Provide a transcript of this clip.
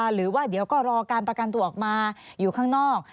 หรือว่าเดี๋ยวก็รอการประกันตัวออกมาอยู่ข้างนอก